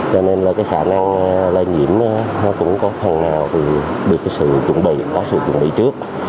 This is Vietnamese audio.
cho nên là cái khả năng lây nhiễm nó cũng có phần nào được cái sự chuẩn bị có sự chuẩn bị trước